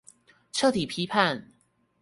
徹底批判